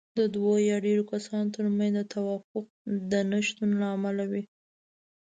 د دوو يا ډېرو کسانو ترمنځ د توافق د نشتون له امله وي.